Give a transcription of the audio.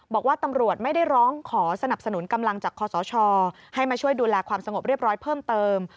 บอกว่าตำรวจไม่ได้ร้องขอสนับสนุนกำลังจากคอสชให้มาช่วยดูแลความสงบเรียบร้อยเพิ่มเติม